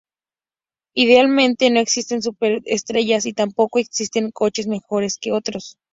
Idealmente, no existen superestrellas; y tampoco existen coches mejores que otros.